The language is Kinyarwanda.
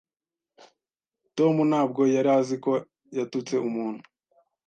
Tom ntabwo yari azi ko yatutse umuntu.